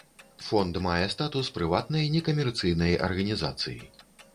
Фонд мае статус прыватнай некамерцыйнай арганізацыі.